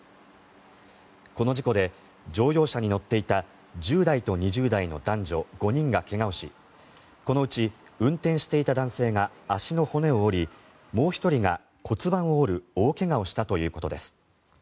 この事故で乗用車に乗っていた１０代と２０代の男女５人が怪我をしこのうち、運転していた男性が足の骨を折りもう１人が骨盤を折る大怪我をしたということです。